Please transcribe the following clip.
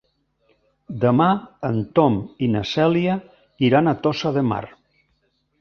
Demà en Tom i na Cèlia iran a Tossa de Mar.